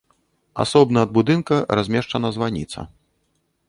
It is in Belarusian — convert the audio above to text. Асобна ад будынка размешчана званіца.